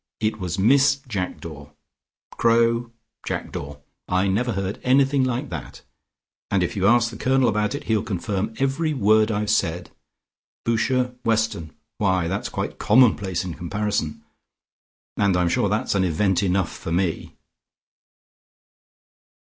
It was Miss Jackdaw. Crowe: Jackdaw. I never heard anything like that, and if you ask the Colonel about it, he'll confirm every word I've said. Boucher, Weston, why that's quite commonplace in comparison, and I'm sure that's an event enough for me."